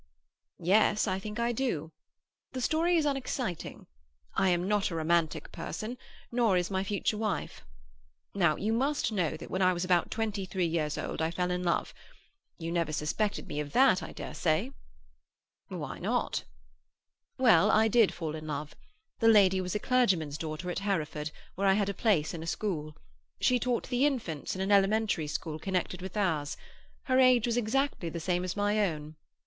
"Yes, I think I do. The story is unexciting. I am not a romantic person, nor is my future wife. Now, you must know that when I was about twenty three years old I fell in love. You never suspected me of that, I dare say?" "Why not?" "Well, I did fall in love. The lady was a clergyman's daughter at Hereford, where I had a place in a school; she taught the infants in an elementary school connected with ours; her age was exactly the same as my own.